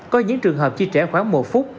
có những trường hợp chi trẻ khoảng một phút